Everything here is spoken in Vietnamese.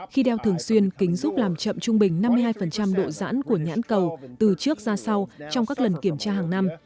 khi đeo thường xuyên kính giúp làm chậm trung bình năm mươi hai độ dãn của nhãn cầu từ trước ra sau trong các lần kiểm tra hàng năm